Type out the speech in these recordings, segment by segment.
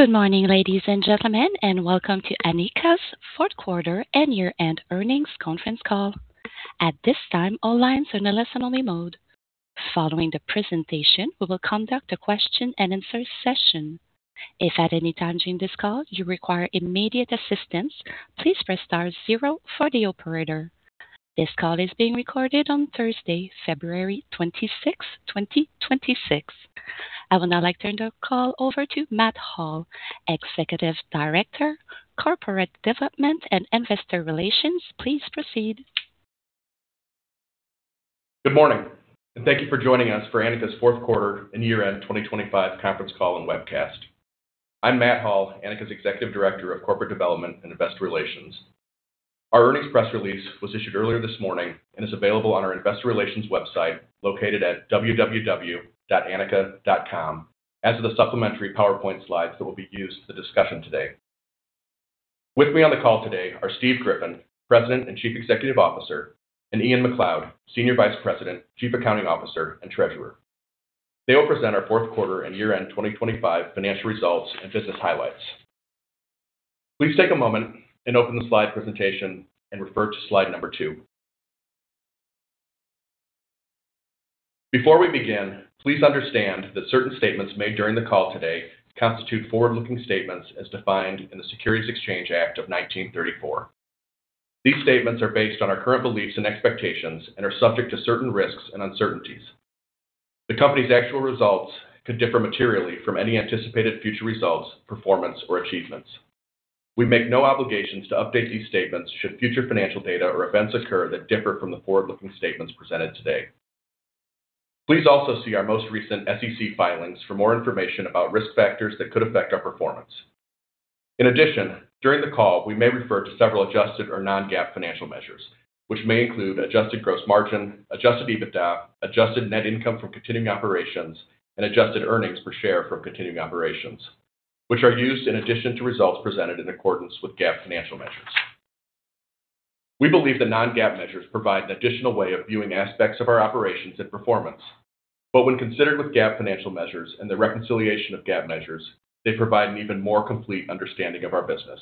Good morning, ladies and gentlemen, and welcome to Anika's Q4 and year-end earnings conference call. At this time, all lines are in a listen-only mode. Following the presentation, we will conduct a question and answer session. If at any time during this call you require immediate assistance, please press star zero for the operator. This call is being recorded on Thursday, February 26, 2026. I would now like to turn the call over to Matt Hall, Executive Director, Corporate Development and Investor Relations. Please proceed. Good morning, thank you for joining us for Anika's Q4 and year-end 2025 conference call and webcast. I'm Matt Hall, Anika's Executive Director of Corporate Development and Investor Relations. Our earnings press release was issued earlier this morning and is available on our investor relations website, located at www.anika.com, as are the supplementary PowerPoint slides that will be used for the discussion today. With me on the call today are Steve Griffin, President and Chief Executive Officer, and Ian McLeod, Senior Vice President, Chief Accounting Officer, and Treasurer. They will present our Q4 and year-end 2025 financial results and business highlights. Please take a moment open the slide presentation and refer to slide number two. Before we begin, please understand that certain statements made during the call today constitute forward-looking statements as defined in the Securities Exchange Act of 1934. These statements are based on our current beliefs and expectations and are subject to certain risks and uncertainties. The company's actual results could differ materially from any anticipated future results, performance, or achievements. We make no obligations to update these statements should future financial data or events occur that differ from the forward-looking statements presented today. Please also see our most recent SEC filings for more information about risk factors that could affect our performance. In addition, during the call, we may refer to several adjusted or non-GAAP financial measures, which may include adjusted gross margin, adjusted EBITDA, adjusted net income from continuing operations, and adjusted earnings per share from continuing operations, which are used in addition to results presented in accordance with GAAP financial measures. We believe the non-GAAP measures provide an additional way of viewing aspects of our operations and performance. When considered with GAAP financial measures and the reconciliation of GAAP measures, they provide an even more complete understanding of our business.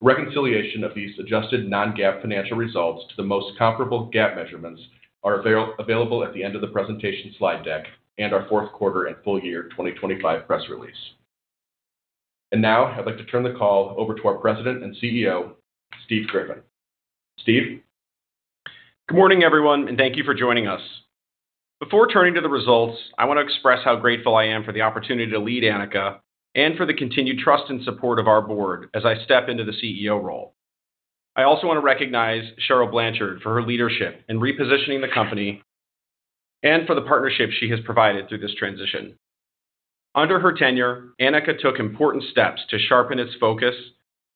Reconciliation of these adjusted non-GAAP financial results to the most comparable GAAP measurements are available at the end of the presentation slide deck and our Q4 and full year 2025 press release. Now I'd like to turn the call over to our President and CEO, Steve Griffin. Steve? Good morning, everyone, and thank you for joining us. Before turning to the results, I want to express how grateful I am for the opportunity to lead Anika and for the continued trust and support of our board as I step into the CEO role. I also want to recognize Cheryl Blanchard for her leadership in repositioning the company and for the partnership she has provided through this transition. Under her tenure, Anika took important steps to sharpen its focus,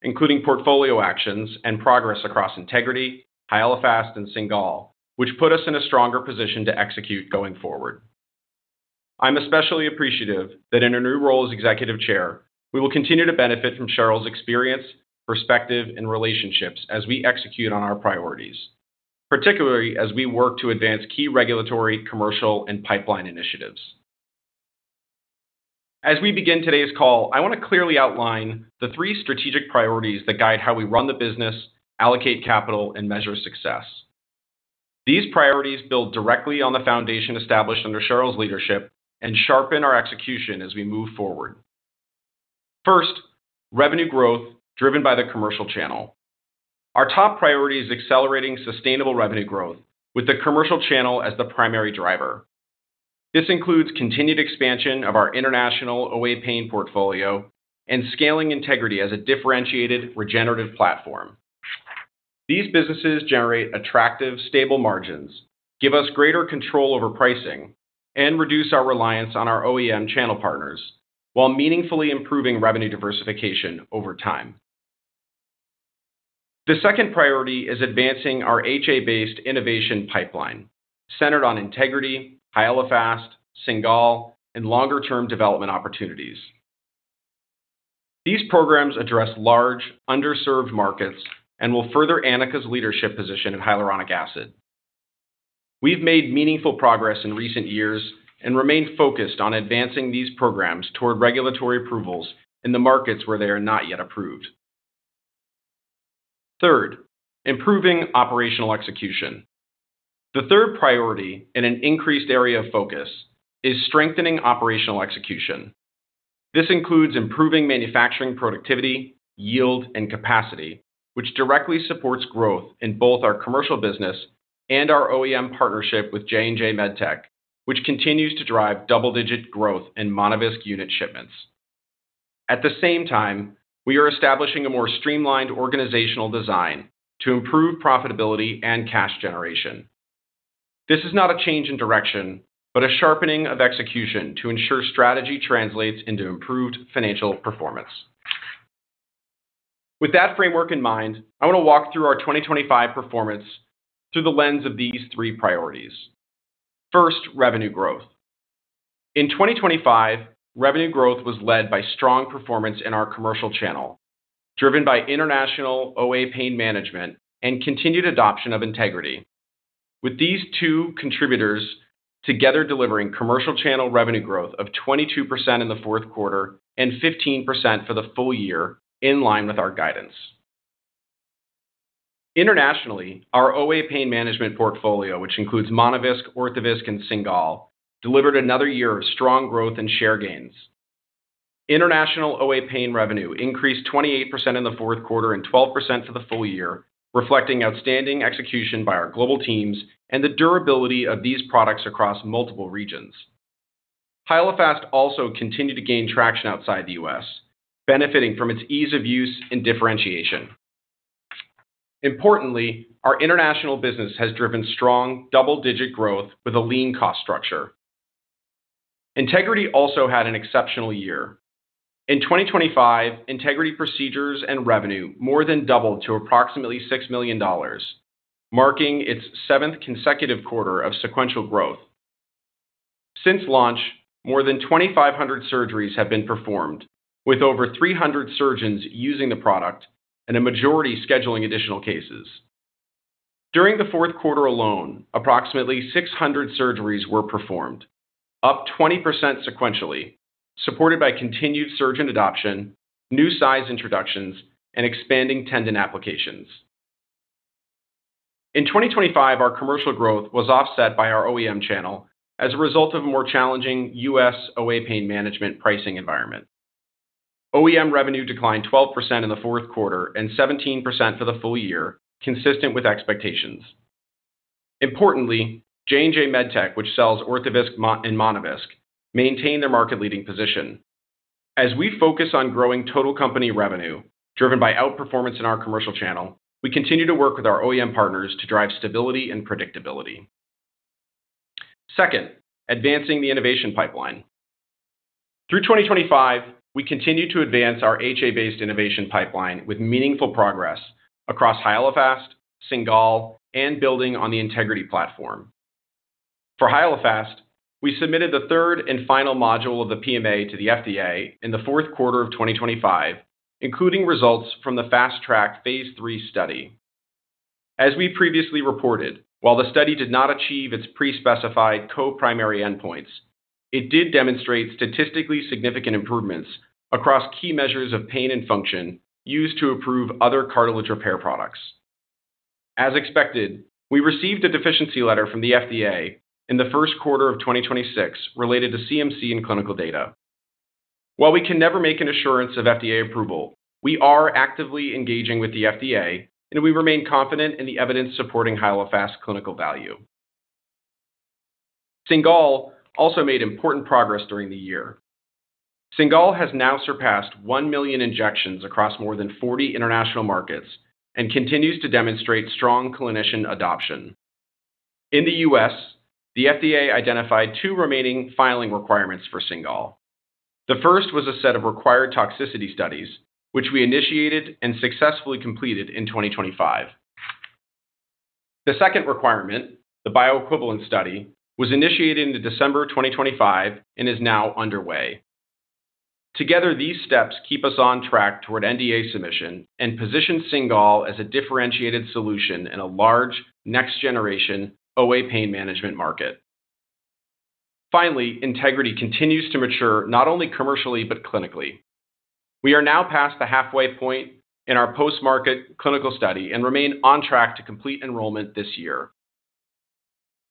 including portfolio actions and progress across Integrity, Hyalofast, and Cingal, which put us in a stronger position to execute going forward. I'm especially appreciative that in her new role as Executive Chair, we will continue to benefit from Cheryl's experience, perspective, and relationships as we execute on our priorities, particularly as we work to advance key regulatory, commercial, and pipeline initiatives. As we begin today's call, I want to clearly outline the three strategic priorities that guide how we run the business, allocate capital, and measure success. These priorities build directly on the foundation established under Cheryl's leadership and sharpen our execution as we move forward. First, revenue growth driven by the commercial channel. Our top priority is accelerating sustainable revenue growth with the commercial channel as the primary driver. This includes continued expansion of our international OA pain portfolio and scaling Integrity as a differentiated regenerative platform. These businesses generate attractive, stable margins, give us greater control over pricing, and reduce our reliance on our OEM channel partners while meaningfully improving revenue diversification over time. The second priority is advancing our HA-based innovation pipeline, centered on Integrity, Hyalofast, Cingal, and longer-term development opportunities. These programs address large, underserved markets and will further Anika's leadership position in hyaluronic acid. We've made meaningful progress in recent years and remain focused on advancing these programs toward regulatory approvals in the markets where they are not yet approved. Third, improving operational execution. The third priority, and an increased area of focus, is strengthening operational execution. This includes improving manufacturing, productivity, yield, and capacity, which directly supports growth in both our commercial business and our OEM partnership with J&J MedTech, which continues to drive double digit growth in Monovisc unit shipments. At the same time, we are establishing a more streamlined organizational design to improve profitability and cash generation. This is not a change in direction, but a sharpening of execution to ensure strategy translates into improved financial performance. With that framework in mind, I want to walk through our 2025 performance through the lens of these three priorities. First, revenue growth. In 2025, revenue growth was led by strong performance in our commercial channel, driven by international OA pain management and continued adoption of Integrity. These two contributors together delivering commercial channel revenue growth of 22% in the Q4 and 15% for the full year, in line with our guidance. Internationally, our OA Pain Management portfolio, which includes Monovisc, Orthovisc, and Cingal, delivered another year of strong growth and share gains. International OA pain revenue increased 28% in the Q4 and 12% for the full year, reflecting outstanding execution by our global teams and the durability of these products across multiple regions. Hyalofast also continued to gain traction outside the U.S., benefiting from its ease of use and differentiation. Importantly, our international business has driven strong double-digit growth with a lean cost structure. Integrity also had an exceptional year. In 2025, Integrity procedures and revenue more than doubled to approximately $6 million, marking its seventh consecutive quarter of sequential growth. Since launch, more than 2,500 surgeries have been performed, with over 300 surgeons using the product and a majority scheduling additional cases. During the Q4 alone, approximately 600 surgeries were performed, up 20% sequentially, supported by continued surgeon adoption, new size introductions, and expanding tendon applications. In 2025, our commercial growth was offset by our OEM channel as a result of a more challenging U.S. OA pain management pricing environment. OEM revenue declined 12% in the Q4 and 17% for the full year, consistent with expectations. Importantly, J&J MedTech, which sells Orthovisc and Monovisc, maintained their market-leading position. As we focus on growing total company revenue, driven by outperformance in our commercial channel, we continue to work with our OEM partners to drive stability and predictability. Second, advancing the innovation pipeline. Through 2025, we continued to advance our HA-based innovation pipeline with meaningful progress across Hyalofast, Cingal, and building on the Integrity platform. For Hyalofast, we submitted the third and final module of the PMA to the FDA in the Q4 of 2025, including results from the Fast Track phase III study. As we previously reported, while the study did not achieve its pre-specified co-primary endpoints, it did demonstrate statistically significant improvements across key measures of pain and function used to approve other cartilage repair products. As expected, we received a deficiency letter from the FDA in the Q1 of 2026 related to CMC and clinical data. While we can never make an assurance of FDA approval, we are actively engaging with the FDA, and we remain confident in the evidence supporting Hyalofast's clinical value. Cingal also made important progress during the year. Cingal has now surpassed one million injections across more than 40 international markets and continues to demonstrate strong clinician adoption. In the U.S., the FDA identified two remaining filing requirements for Cingal. The first was a set of required toxicity studies, which we initiated and successfully completed in 2025. The second requirement, the bioequivalence study, was initiated in December 2025 and is now underway. Together, these steps keep us on track toward NDA submission and position Cingal as a differentiated solution in a large next generation OA pain management market. Finally, Integrity continues to mature, not only commercially, but clinically. We are now past the halfway point in our post-market clinical study and remain on track to complete enrollment this year.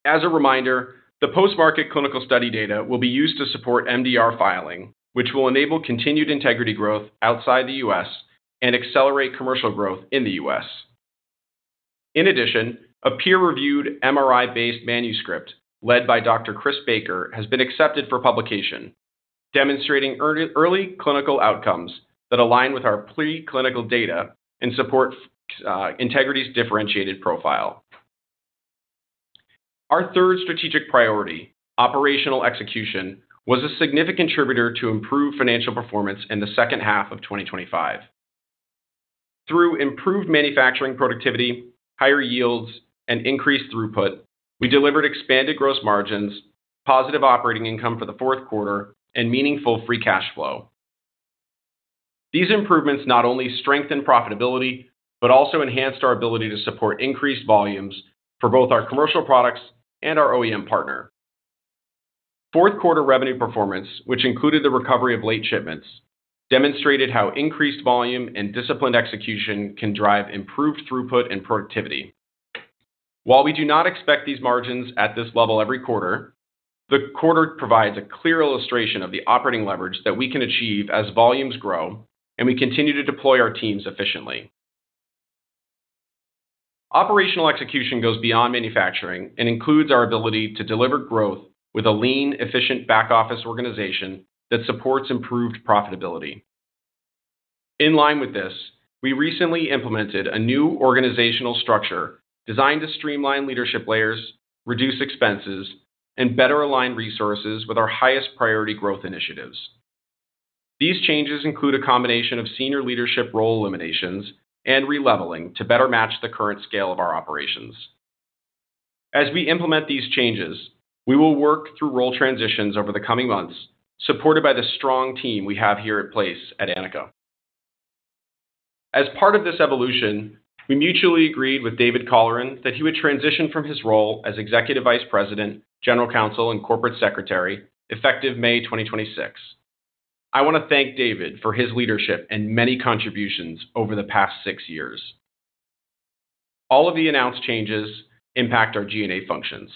As a reminder, the post-market clinical study data will be used to support MDR filing, which will enable continued Integrity growth outside the US and accelerate commercial growth in the US. In addition, a peer-reviewed MRI-based manuscript led by Dr. Chris Baker has been accepted for publication, demonstrating early clinical outcomes that align with our preclinical data and support Integrity's differentiated profile. Our third strategic priority, operational execution, was a significant contributor to improved financial performance in the second half of 2025. Through improved manufacturing productivity, higher yields, and increased throughput, we delivered expanded gross margins, positive operating income for the Q4, and meaningful free cash flow. These improvements not only strengthened profitability, but also enhanced our ability to support increased volumes for both our commercial products and our OEM partner. Q4 revenue performance, which included the recovery of late shipments, demonstrated how increased volume and disciplined execution can drive improved throughput and productivity. While we do not expect these margins at this level every quarter, the quarter provides a clear illustration of the operating leverage that we can achieve as volumes grow and we continue to deploy our teams efficiently. Operational execution goes beyond manufacturing and includes our ability to deliver growth with a lean, efficient back-office organization that supports improved profitability. In line with this, we recently implemented a new organizational structure designed to streamline leadership layers, reduce expenses, and better align resources with our highest priority growth initiatives. These changes include a combination of senior leadership role eliminations and releveling to better match the current scale of our operations. As we implement these changes, we will work through role transitions over the coming months, supported by the strong team we have here in place at Anika. As part of this evolution, we mutually agreed with David Colleran that he would transition from his role as Executive Vice President, General Counsel, and Corporate Secretary, effective May 2026. I want to thank David for his leadership and many contributions over the past six years. All of the announced changes impact our G&A functions.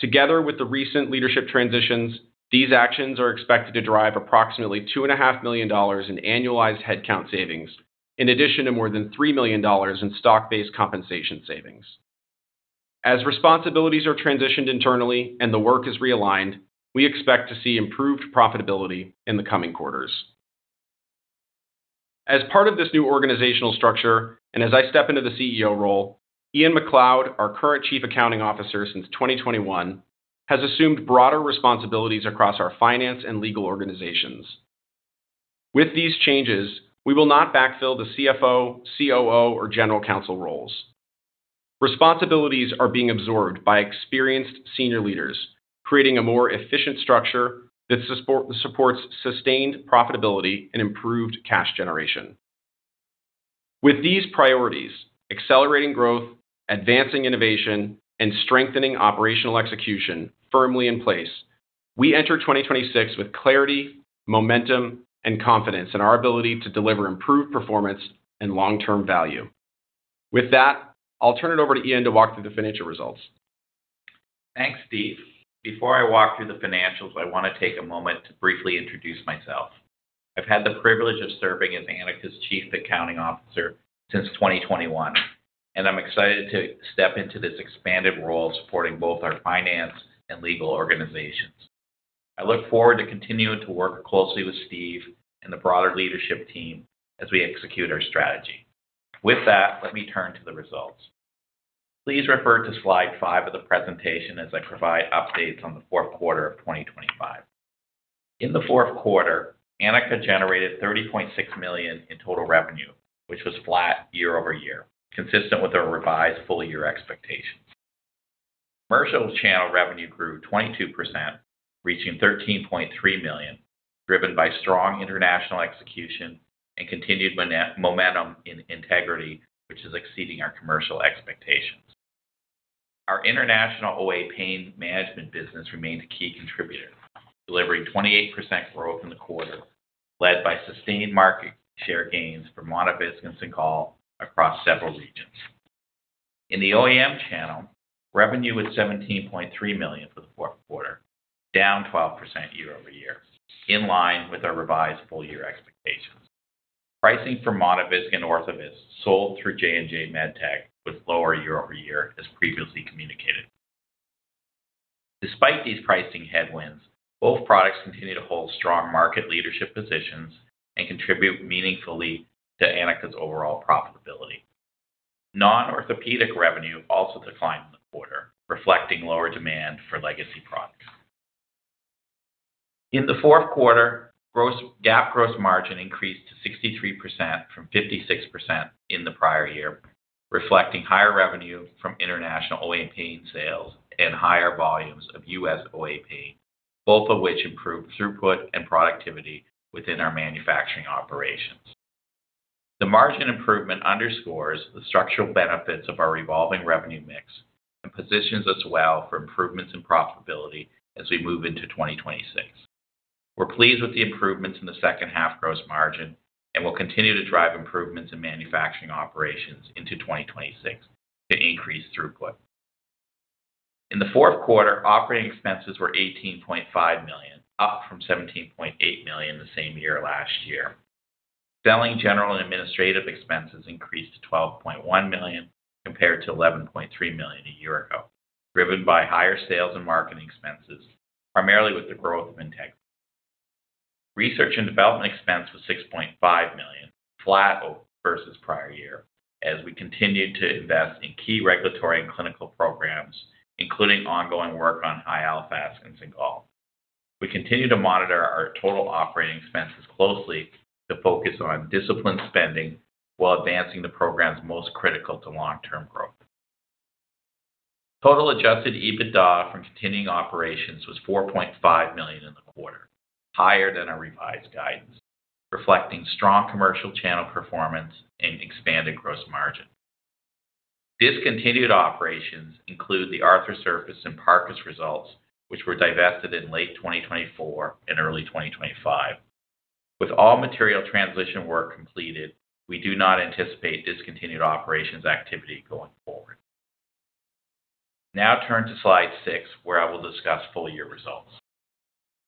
Together with the recent leadership transitions, these actions are expected to drive approximately two and a half million dollars in annualized headcount savings, in addition to more than $3 million in stock-based compensation savings. As responsibilities are transitioned internally and the work is realigned, we expect to see improved profitability in the coming quarters. As part of this new organizational structure, and as I step into the CEO role, Ian W. McLeod, our current Chief Accounting Officer since 2021, has assumed broader responsibilities across our finance and legal organizations. With these changes, we will not backfill the CFO, COO, or General Counsel roles. Responsibilities are being absorbed by experienced senior leaders, creating a more efficient structure that supports sustained profitability and improved cash generation. With these priorities, accelerating growth, advancing innovation, and strengthening operational execution firmly in place, we enter 2026 with clarity, momentum, and confidence in our ability to deliver improved performance and long-term value. With that, I'll turn it over to Ian to walk through the financial results. Thanks, Steve. Before I walk through the financials, I want to take a moment to briefly introduce myself. I've had the privilege of serving as Anika's Chief Accounting Officer since 2021, and I'm excited to step into this expanded role, supporting both our finance and legal organizations. I look forward to continuing to work closely with Steve and the broader leadership team as we execute our strategy. With that, let me turn to the results. Please refer to slide five of the presentation as I provide updates on the Q4 of 2025. In the Q4, Anika generated $30.6 million in total revenue, which was flat year-over-year, consistent with our revised full-year expectations. Commercial channel revenue grew 22%, reaching $13.3 million, driven by strong international execution and continued momentum in Integrity, which is exceeding our commercial expectations. Our international OA pain management business remained a key contributor, delivering 28% growth in the quarter, led by sustained market share gains for Monovisc and Cingal across several regions. In the OEM channel, revenue was $17.3 million for the Q4, down 12% year-over-year, in line with our revised full-year expectations. Pricing for Monovisc and Orthovisc, sold through J&J MedTech, was lower year-over-year, as previously communicated. Despite these pricing headwinds, both products continue to hold strong market leadership positions and contribute meaningfully to Anika's overall profitability. Non-orthopedic revenue also declined in the quarter, reflecting lower demand for legacy products. In the Q4, GAAP gross margin increased to 63% from 56% in the prior year, reflecting higher revenue from international OA pain sales and higher volumes of U.S. OA pain, both of which improved throughput and productivity within our manufacturing operations. The margin improvement underscores the structural benefits of our evolving revenue mix and positions us well for improvements in profitability as we move into 2026. We're pleased with the improvements in the second half gross margin, and we'll continue to drive improvements in manufacturing operations into 2026 to increase throughput. In the Q4, operating expenses were $18.5 million, up from $17.8 million the same year last year. Selling general and administrative expenses increased to $12.1 million, compared to $11.3 million a year ago, driven by higher sales and marketing expenses, primarily with the growth of Integrity. Research and development expense was $6.5 million, flat versus prior year, as we continued to invest in key regulatory and clinical programs, including ongoing work on Hyalofast and Cingal. We continue to monitor our total operating expenses closely to focus on disciplined spending while advancing the programs most critical to long-term growth. Total adjusted EBITDA from continuing operations was $4.5 million in the quarter, higher than our revised guidance, reflecting strong commercial channel performance and expanded gross margin. Discontinued operations include the Arthrosurface and Parcus results, which were divested in late 2024 and early 2025. With all material transition work completed, we do not anticipate discontinued operations activity going forward. Turn to slide six, where I will discuss full-year results.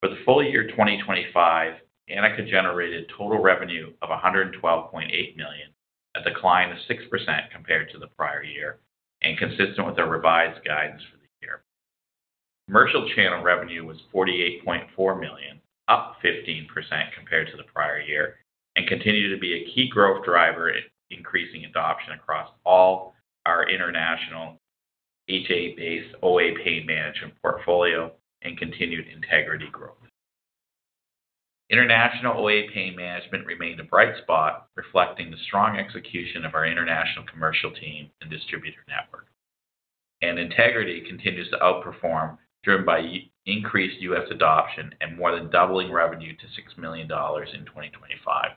For the full year 2025, Anika generated total revenue of $112.8 million, a decline of 6% compared to the prior year, and consistent with our revised guidance for the year. Commercial channel revenue was $48.4 million, up 15% compared to the prior year, and continued to be a key growth driver in increasing adoption across all our international HA-based OA pain management portfolio and continued Integrity growth. International OA pain management remained a bright spot, reflecting the strong execution of our international commercial team and distributor network. Integrity continues to outperform, driven by increased U.S. adoption and more than doubling revenue to $6 million in 2025.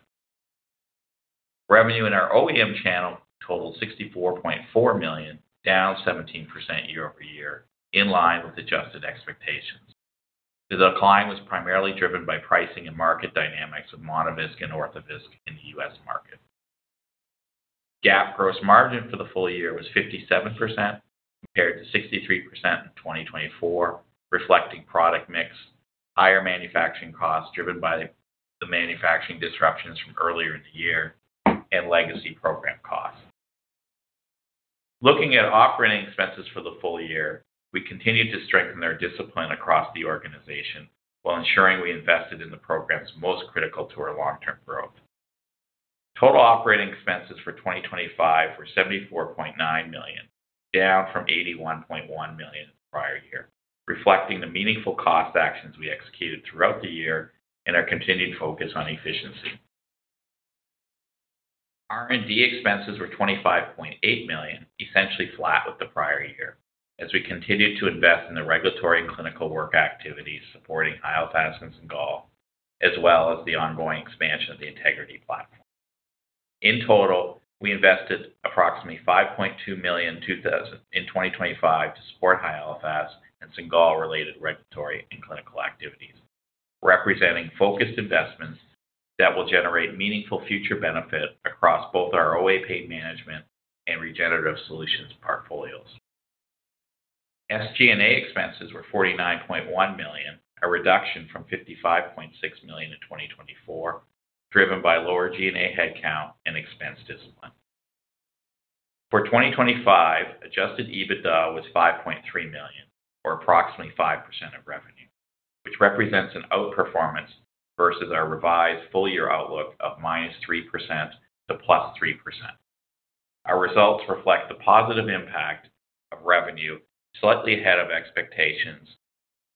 Revenue in our OEM channel totaled $64.4 million, down 17% year-over-year, in line with adjusted expectations. The decline was primarily driven by pricing and market dynamics of Monovisc and Orthovisc in the US market. GAAP gross margin for the full year was 57%, compared to 63% in 2024, reflecting product mix, higher manufacturing costs driven by the manufacturing disruptions from earlier in the year, and legacy program costs. Looking at operating expenses for the full year, we continued to strengthen our discipline across the organization while ensuring we invested in the programs most critical to our long-term growth. Total operating expenses for 2025 were $74.9 million, down from $81.1 million the prior year, reflecting the meaningful cost actions we executed throughout the year and our continued focus on efficiency. R&D expenses were $25.8 million, essentially flat with the prior year, as we continued to invest in the regulatory and clinical work activities supporting Hyalofast and Cingal, as well as the ongoing expansion of the Integrity platform. In total, we invested approximately $5.2 million in 2025 to support Hyalofast and Cingal-related regulatory and clinical activities, representing focused investments that will generate meaningful future benefit across both our OA pain management and regenerative solutions portfolios. SG&A expenses were $49.1 million, a reduction from $55.6 million in 2024, driven by lower G&A headcount and expense discipline. For 2025, adjusted EBITDA was $5.3 million, or approximately 5% of revenue, which represents an outperformance versus our revised full year outlook of -3% to +3%. Our results reflect the positive impact of revenue, slightly ahead of expectations,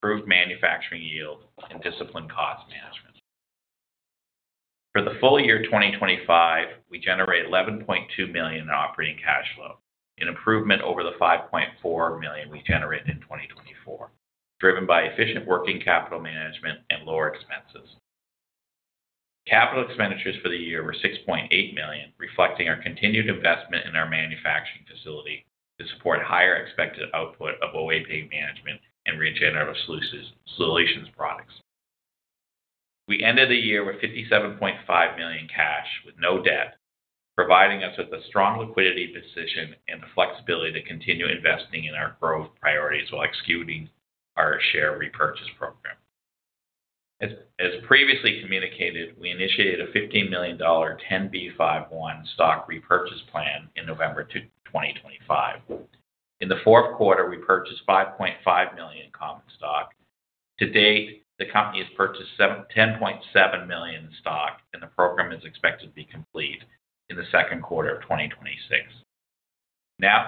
improved manufacturing yield, and disciplined cost management. For the full year 2025, we generated $11.2 million in operating cash flow, an improvement over the $5.4 million we generated in 2024, driven by efficient working capital management and lower expenses. CapEx for the year were $6.8 million, reflecting our continued investment in our manufacturing facility to support higher expected output of OA pain management and regenerative solutions products. We ended the year with $57.5 million cash, with no debt, providing us with a strong liquidity position and the flexibility to continue investing in our growth priorities while executing our share repurchase program. As previously communicated, we initiated a $15 million 10b5-1 stock repurchase plan in November to 2025. In the Q4, we purchased $5.5 million in common stock. To date, the company has purchased $10.7 million in stock, and the program is expected to be complete in the Q2 of 2026.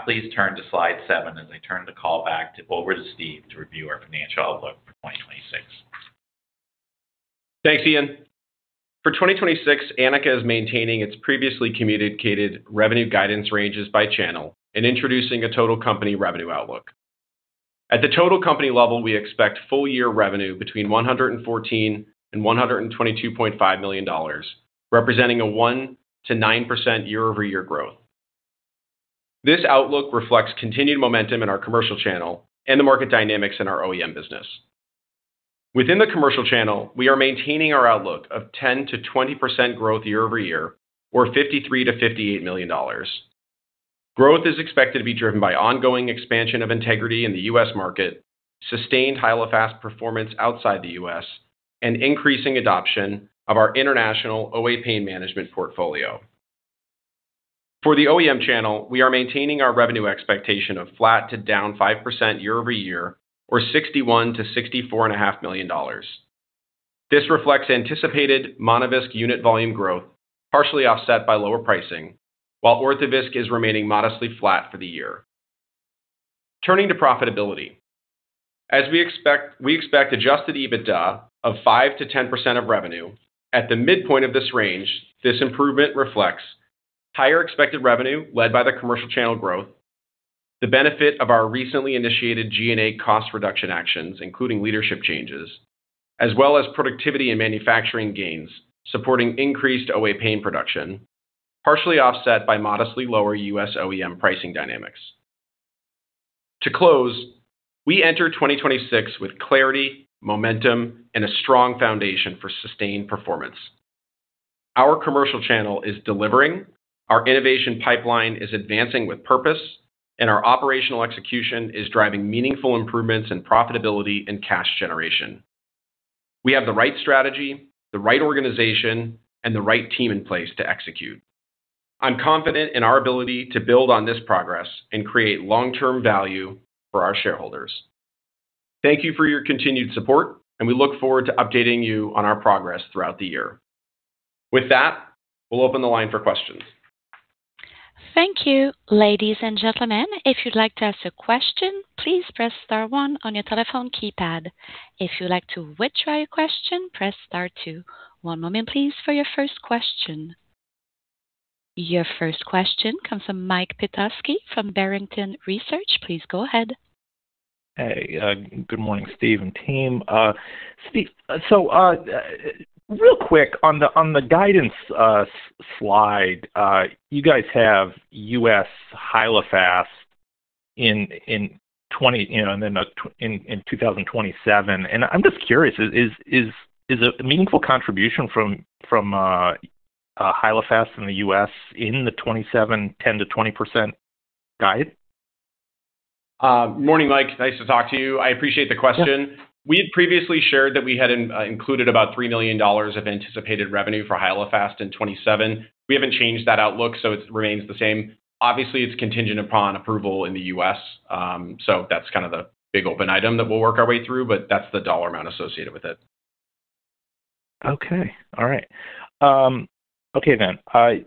Please turn to slide seven as I turn the call back to over to Steve to review our financial outlook for 2026. Thanks, Ian. For 2026, Anika is maintaining its previously communicated revenue guidance ranges by channel and introducing a total company revenue outlook. At the total company level, we expect full year revenue between $114 million and $122.5 million, representing a 1% to 9% year-over-year growth. This outlook reflects continued momentum in our commercial channel and the market dynamics in our OEM business. Within the commercial channel, we are maintaining our outlook of 10% to 20% growth year-over-year, or $53 million-$58 million. Growth is expected to be driven by ongoing expansion of Integrity in the U.S. market, sustained Hyalofast performance outside the U.S., and increasing adoption of our international OA pain management portfolio. For the OEM channel, we are maintaining our revenue expectation of flat to down 5% year-over-year, or $61 million-$64.5 million. This reflects anticipated Monovisc unit volume growth, partially offset by lower pricing, while Orthovisc is remaining modestly flat for the year. Turning to profitability. As we expect, we expect adjusted EBITDA of 5% to 10% of revenue. At the midpoint of this range, this improvement reflects higher expected revenue led by the commercial channel growth, the benefit of our recently initiated G&A cost reduction actions, including leadership changes, as well as productivity and manufacturing gains, supporting increased OA pain production, partially offset by modestly lower U.S. OEM pricing dynamics. To close, we enter 2026 with clarity, momentum, and a strong foundation for sustained performance. Our commercial channel is delivering, our innovation pipeline is advancing with purpose, and our operational execution is driving meaningful improvements in profitability and cash generation. We have the right strategy, the right organization, and the right team in place to execute. I'm confident in our ability to build on this progress and create long-term value for our shareholders. Thank you for your continued support, and we look forward to updating you on our progress throughout the year. With that, we'll open the line for questions. Thank you. Ladies and gentlemen, if you'd like to ask a question, please press star one on your telephone keypad. If you'd like to withdraw your question, press star two. One moment, please, for your first question. Your first question comes from Michael Petusky from Barrington Research. Please go ahead. Good morning, Steve and team. Steve, real quick on the guidance slide, you guys have U.S. Hyalofast in 2027, I'm just curious, is a meaningful contribution from Hyalofast in the U.S. in the 27, 10%-20% guide? Morning, Mike. Nice to talk to you. I appreciate the question. We had previously shared that we had included about $3 million of anticipated revenue for Hyalofast in 2027. We haven't changed that outlook, so it remains the same. Obviously, it's contingent upon approval in the U.S. That's kind of the big open item that we'll work our way through, but that's the dollar amount associated with it. Okay. All right. Okay,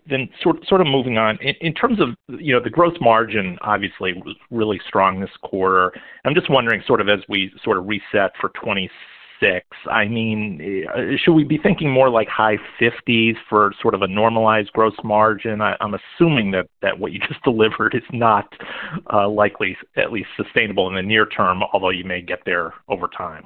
then sort of moving on. In terms of, you know, the gross margin, obviously really strong this quarter. I'm just wondering, sort of as we sort of reset for 2026, I mean, should we be thinking more like high 50s for sort of a normalized gross margin? I'm assuming that what you just delivered is not, likely at least sustainable in the near term, although you may get there over time.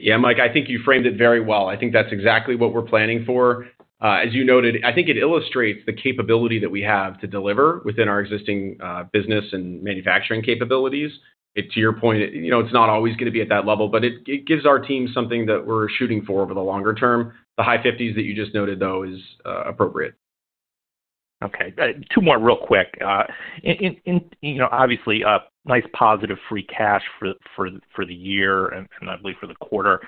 Yeah, Mike, I think you framed it very well. I think that's exactly what we're planning for. As you noted, I think it illustrates the capability that we have to deliver within our existing business and manufacturing capabilities. To your point, you know, it's not always going to be at that level, but it gives our team something that we're shooting for over the longer term. The high fifties that you just noted, though, is appropriate. Okay, two more real quick. In, you know, obviously a nice positive free cash for the year and I believe for the quarter.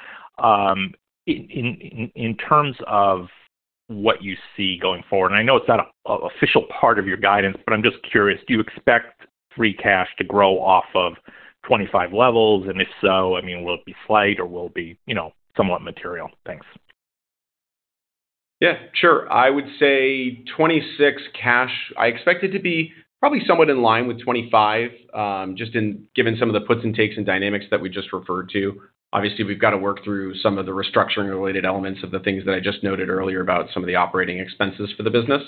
In terms of what you see going forward, and I know it's not a official part of your guidance, but I'm just curious, do you expect free cash to grow off of 25 levels? If so, I mean, will it be slight or will it be, you know, somewhat material? Thanks. Yeah, sure. I would say 26 cash, I expect it to be probably somewhat in line with 25, given some of the puts and takes and dynamics that we just referred to. Obviously, we've got to work through some of the restructuring related elements of the things that I just noted earlier about some of the operating expenses for the business.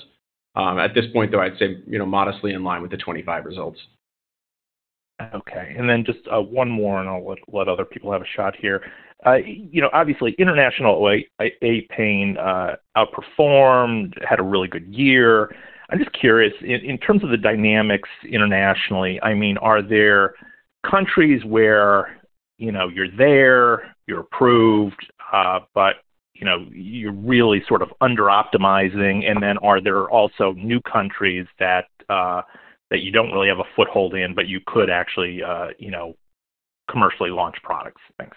At this point, though, I'd say, you know, modestly in line with the 25 results. Okay, then just one more, I'll let other people have a shot here. You know, obviously, international OA pain outperformed, had a really good year. I'm just curious, in terms of the dynamics internationally, I mean, are there countries where, you know, you're there, you're approved, but you know, you're really sort of underoptimizing? Then are there also new countries that you don't really have a foothold in, but you could actually, you know, commercially launch products? Thanks.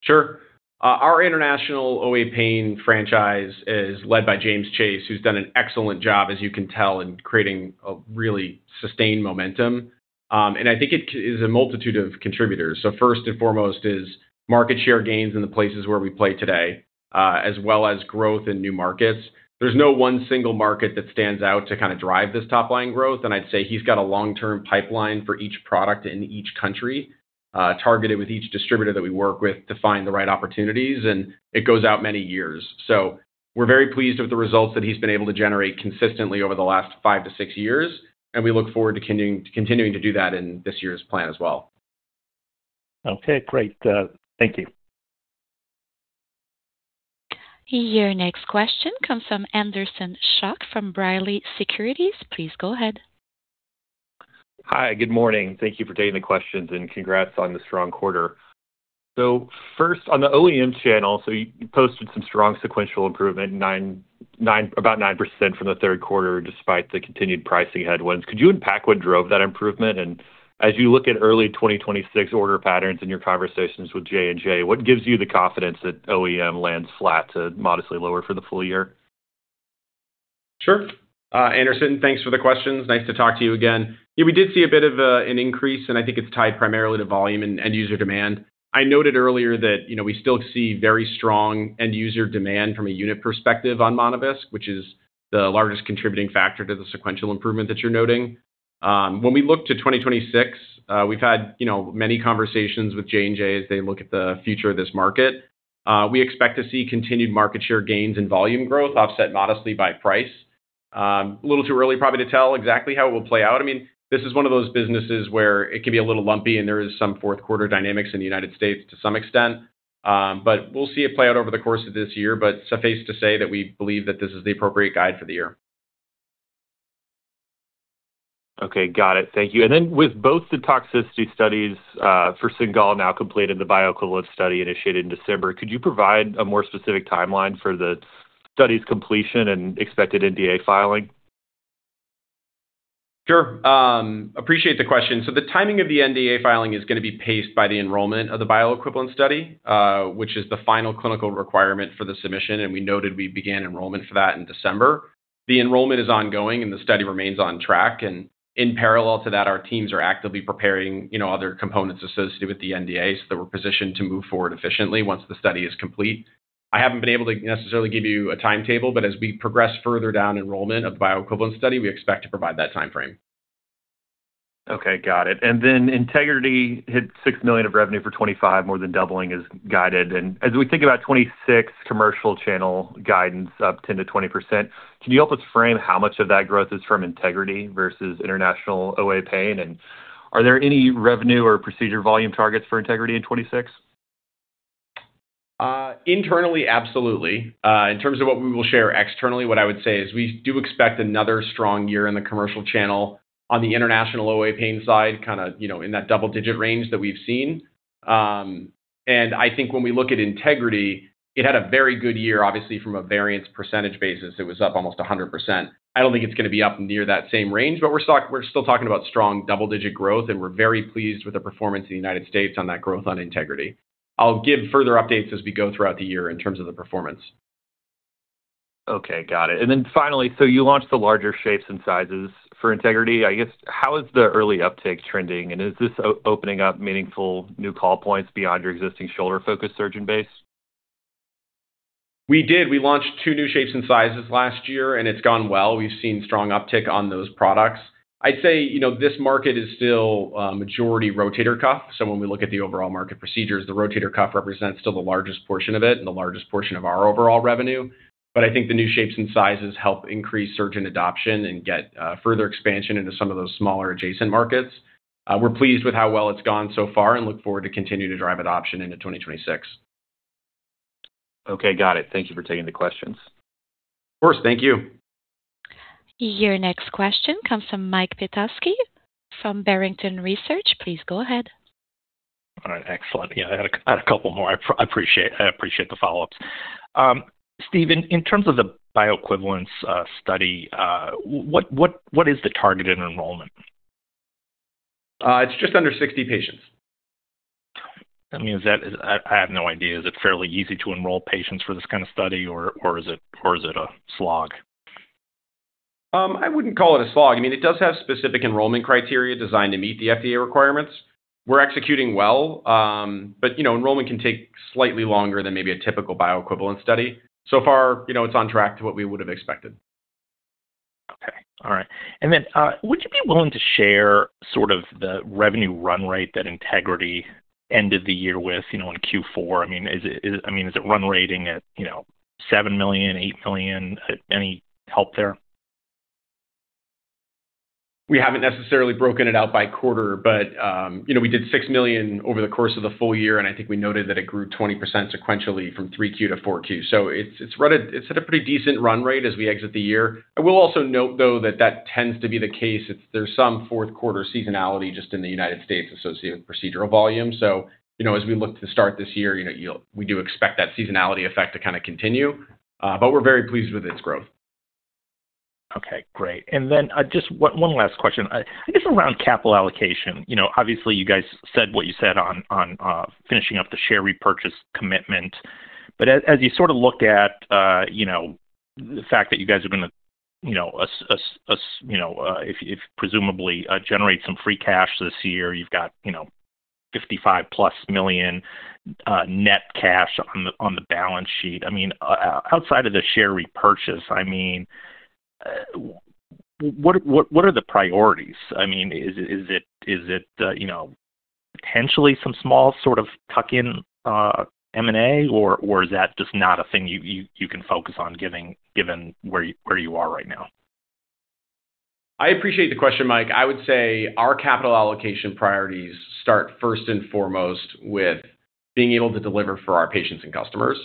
Sure. Our international OA pain franchise is led by James Chase, who's done an excellent job, as you can tell, in creating a really sustained momentum. I think it is a multitude of contributors. First and foremost is market share gains in the places where we play today, as well as growth in new markets. There's no one single market that stands out to kind of drive this top-line growth, and I'd say he's got a long-term pipeline for each product in each country, targeted with each distributor that we work with to find the right opportunities, and it goes out many years. We're very pleased with the results that he's been able to generate consistently over the last five to six years, and we look forward to continuing to do that in this year's plan as well. Okay, great. Thank you. Your next question comes from Anderson Schock from B. Riley Securities. Please go ahead. Hi, good morning. Thank you for taking the questions and congrats on the strong quarter. First, on the OEM channel, you posted some strong sequential improvement, about 9% from the Q3, despite the continued pricing headwinds. Could you unpack what drove that improvement? As you look at early 2026 order patterns in your conversations with J&J, what gives you the confidence that OEM lands flat to modestly lower for the full year? Sure. Anderson, thanks for the questions. Nice to talk to you again. We did see a bit of an increase, and I think it's tied primarily to volume and end user demand. I noted earlier that, you know, we still see very strong end user demand from a unit perspective on Monovisc, which is the largest contributing factor to the sequential improvement that you're noting. When we look to 2026, we've had, you know, many conversations with J&J as they look at the future of this market. We expect to see continued market share gains and volume growth offset modestly by price. A little too early, probably, to tell exactly how it will play out. I mean, this is one of those businesses where it can be a little lumpy, and there is some Q4 dynamics in the United States to some extent. We'll see it play out over the course of this year. Suffice to say that we believe that this is the appropriate guide for the year. Okay, got it. Thank you. With both the toxicity studies for Cingal now completed, the bioequivalence study initiated in December, could you provide a more specific timeline for the study's completion and expected NDA filing? Sure. Appreciate the question. The timing of the NDA filing is going to be paced by the enrollment of the bioequivalence study, which is the final clinical requirement for the submission, and we noted we began enrollment for that in December. The enrollment is ongoing, and the study remains on track. In parallel to that, our teams are actively preparing, you know, other components associated with the NDA so that we're positioned to move forward efficiently once the study is complete. I haven't been able to necessarily give you a timetable, but as we progress further down enrollment of the bioequivalence study, we expect to provide that timeframe. Okay, got it. Integrity hit $6 million of revenue for 2025, more than doubling as guided. As we think about 2026 commercial channel guidance up 10%-20%, can you help us frame how much of that growth is from Integrity versus international OA pain? Are there any revenue or procedure volume targets for Integrity in 2026? Internally, absolutely. In terms of what we will share externally, what I would say is we do expect another strong year in the commercial channel on the international OA pain side, kind of, you know, in that double-digit range that we've seen. I think when we look at Integrity, it had a very good year. Obviously, from a variance percentage basis, it was up almost 100%. I don't think it's going to be up near that same range, but we're still talking about strong double-digit growth, and we're very pleased with the performance in the United States on that growth on Integrity. I'll give further updates as we go throughout the year in terms of the performance. Finally, you launched the larger shapes and sizes for Integrity. I guess, how is the early uptake trending, and is this opening up meaningful new call points beyond your existing shoulder-focused surgeon base? We did. We launched two new shapes and sizes last year. It's gone well. We've seen strong uptick on those products. I'd say, you know, this market is still majority rotator cuff. When we look at the overall market procedures, the rotator cuff represents still the largest portion of it and the largest portion of our overall revenue. I think the new shapes and sizes help increase surgeon adoption and get further expansion into some of those smaller adjacent markets. We're pleased with how well it's gone so far and look forward to continue to drive adoption into 2026. Okay, got it. Thank you for taking the questions. Of course. Thank you. Your next question comes from Mike Petusky from Barrington Research. Please go ahead. All right. Excellent. I had a couple more. I appreciate the follow-ups. Steve, in terms of the bioequivalence study, what is the target in enrollment? It's just under 60 patients. I mean, is that. I have no idea. Is it fairly easy to enroll patients for this kind of study, or is it a slog? I wouldn't call it a slog. I mean, it does have specific enrollment criteria designed to meet the FDA requirements. We're executing well, you know, enrollment can take slightly longer than maybe a typical bioequivalence study. You know, it's on track to what we would have expected. Okay. All right. Then, would you be willing to share sort of the revenue run rate that Integrity ended the year with, you know, in Q4? I mean, is it, I mean, is it run rating at, you know, $7 million, $8 million? Any help there? We haven't necessarily broken it out by quarter, you know, we did $6 million over the course of the full year, and I think we noted that it grew 20% sequentially from Q3 to Q4. It's run at a pretty decent run rate as we exit the year. I will also note, though, that that tends to be the case. There's some Q4 seasonality just in the United States associated with procedural volume. You know, as we look to start this year, you know, we do expect that seasonality effect to kind of continue, but we're very pleased with its growth. Okay, great. Then, just one last question, I guess, around capital allocation. You know, obviously, you guys said what you said on finishing up the share repurchase commitment. As you sort of look at, you know, the fact that you guys are gonna, you know, as you know, if you, if presumably, generate some free cash this year, you've got, you know, $55+ million net cash on the balance sheet. Outside of the share repurchase, I mean, what are the priorities? Is it, you know, potentially some small sort of tuck-in M&A, or is that just not a thing you can focus on given where you are right now? I appreciate the question, Mike. I would say our capital allocation priorities start first and foremost with being able to deliver for our patients and customers.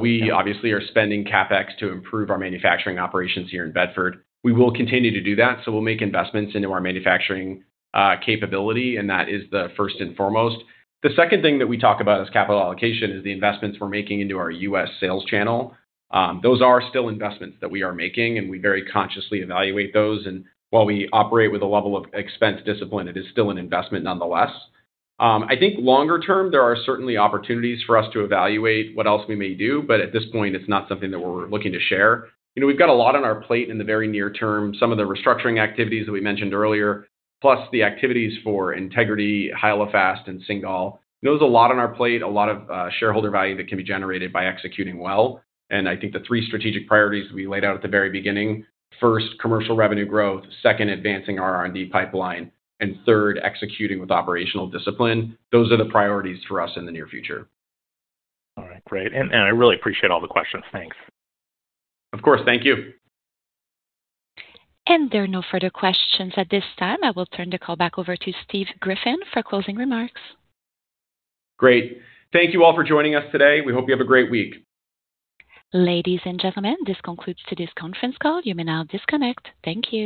We obviously are spending CapEx to improve our manufacturing operations here in Bedford. We will continue to do that, so we'll make investments into our manufacturing capability, and that is the first and foremost. The second thing that we talk about as capital allocation is the investments we're making into our U.S. sales channel. Those are still investments that we are making. We very consciously evaluate those. While we operate with a level of expense discipline, it is still an investment nonetheless. I think longer term, there are certainly opportunities for us to evaluate what else we may do, but at this point, it's not something that we're looking to share. You know, we've got a lot on our plate in the very near term. Some of the restructuring activities that we mentioned earlier, plus the activities for Integrity, Hyalofast, and Cingal. There's a lot on our plate, a lot of shareholder value that can be generated by executing well. I think the three strategic priorities we laid out at the very beginning, first, commercial revenue growth, second, advancing our R&D pipeline, and third, executing with operational discipline, those are the priorities for us in the near future. All right, great. I really appreciate all the questions. Thanks. Of course. Thank you. There are no further questions at this time. I will turn the call back over to Steve Griffin for closing remarks. Great. Thank you all for joining us today. We hope you have a great week. Ladies and gentlemen, this concludes today's conference call. You may now disconnect. Thank you.